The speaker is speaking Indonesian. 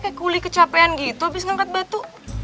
kayak kuli kecapean gitu abis ngangkat batu